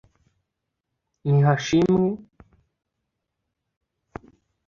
Nihashimwe